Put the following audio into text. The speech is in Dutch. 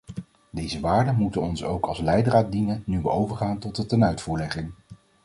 Deze waarden moeten ons ook als leidraad dienen nu we overgaan tot de tenuitvoerlegging.